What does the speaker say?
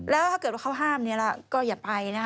แล้วถ้าเกิดว่าเขาห้ามก็อย่าไปนะคะ